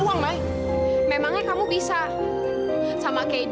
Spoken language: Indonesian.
sachiko ini pengen ubiquit magik